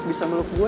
bisa meluk gue